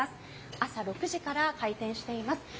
朝６時から開店しています。